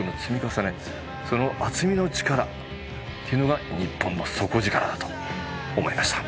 その厚みの力っていうのがニッポンの底力だと思いました。